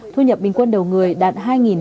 thu nhập bình quân đầu người đạt